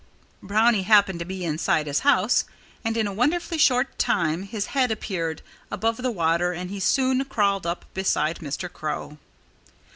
Brownie happened to be inside his house. And in a wonderfully short time his head appeared above the water and he soon crawled up beside Mr. Crow.